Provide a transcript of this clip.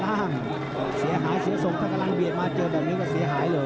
เสียหายเสียทรงถ้ากำลังเบียดมาเจอแบบนี้ก็เสียหายเลย